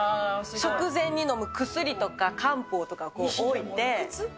食前に飲む薬とか漢方とかを置いて。